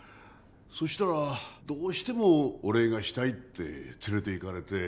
そしたらどうしてもお礼がしたいって連れていかれて。